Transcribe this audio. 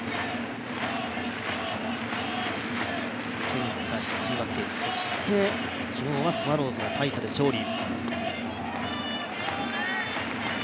２点差、引き分け、そして昨日はスワローズが大差で勝利。